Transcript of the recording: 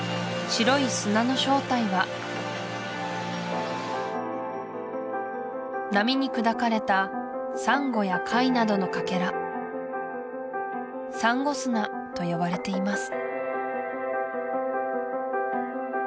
白い砂の正体は波に砕かれたサンゴや貝などの欠片サンゴ砂と呼ばれています